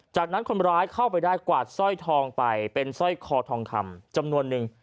จากนั้นคนร้ายเข้าไปได้กวาดสร้อยทองไปเป็นสร้อยคอทองคำจำนวนนึง